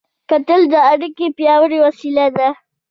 کتل د اړیکو پیاوړې وسیله ده